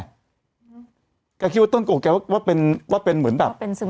ก่อนฉันคิดว่าต้นโกป์เขาก็คิดว่าเป็นเหมือนแบบ